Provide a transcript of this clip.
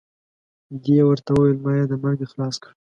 دې ورته وویل ما یې د مرګه خلاص کړ.